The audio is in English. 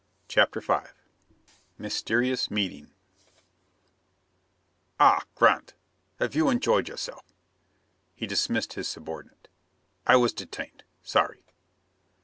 CHAPTER V Mysterious Meeting "Ah, Grant have you enjoyed yourself?" He dismissed his subordinate. "I was detained. Sorry."